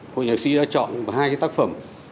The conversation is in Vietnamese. cô nhạc sĩ đã chọn hai tác phẩm